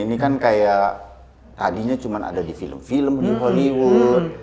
ini kan kayak tadinya cuma ada di film film di hollywood